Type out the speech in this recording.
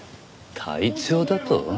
「隊長」だと？